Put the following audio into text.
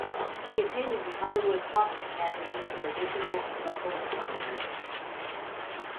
She attended the Hollywood Pop Academy for additional vocal training.